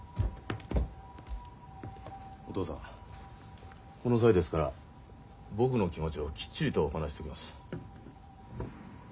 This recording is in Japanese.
お父さんこの際ですから僕の気持ちをきっちりとお話ししておきます。